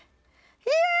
いや！